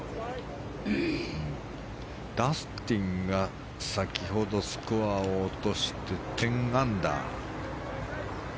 ダスティンが先ほどスコアを落として１０アンダー。